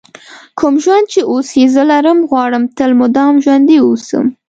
کوم ژوند چې اوس یې زه لرم غواړم تل مدام ژوندی ووسم.